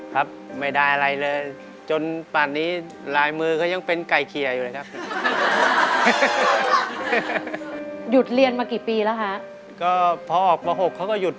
ครับไม่ได้อะไรเลยจนป่านนี้ลายมือก็ยังเป็นไก่เขียอยู่เลยครับ